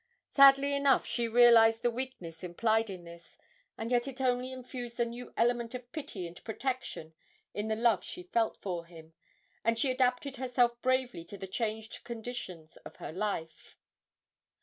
Sadly enough she realised the weakness implied in this, and yet it only infused a new element of pity and protection in the love she felt for him, and she adapted herself bravely to the changed conditions of her life.